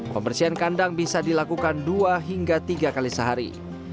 pembersihan kandang bisa dilakukan dua hingga tiga kali sehari